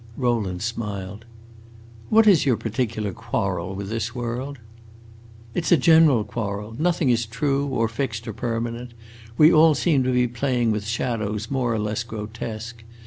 Rowland smiled. "What is your particular quarrel with this world?" "It 's a general quarrel. Nothing is true, or fixed, or permanent. We all seem to be playing with shadows more or less grotesque.